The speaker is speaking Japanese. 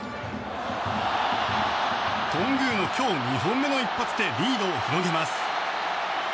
頓宮の今日２本目の一発でリードを広げます。